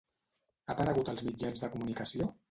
Ha aparegut als mitjans de comunicació?